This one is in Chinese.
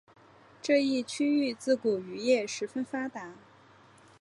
这一区域自古渔业十分发达。